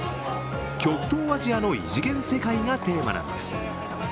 極東アジアの異次元世界がテーマなんです。